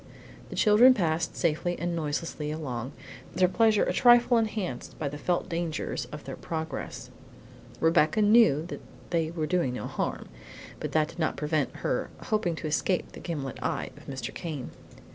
The children passed safely and noiselessly along, their pleasure a trifle enhanced by the felt dangers of their progress. Rebecca knew that they were doing no harm, but that did not prevent her hoping to escape the gimlet eye of Mr. Came.